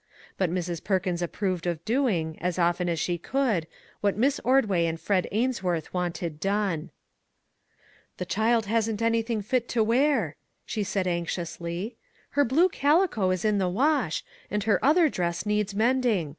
But Mrs. Perkins approved of 205 MAG AND MARGARET doing, as often as she could, what Miss Ordway and Fred Ainsworth wanted done. " The child hasn't anything fit to wear," she said anxiously; " her blue calico is in the wash, and her other dress needs mending.